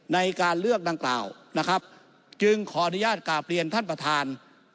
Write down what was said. ในการเลือกดังกล่าวนะครับจึงขออนุญาตกราบเรียนท่านประธาน